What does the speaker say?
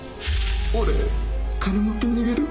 俺金持って逃げる。